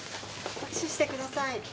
握手してください。